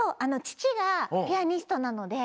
ちちがピアニストなので。